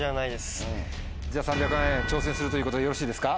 じゃあ３００万円挑戦するということでよろしいですか？